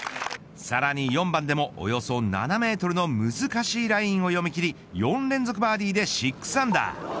さらに４番でもおよそ７メートルの難しいラインを読み切り４連続バーディーで６アンダー。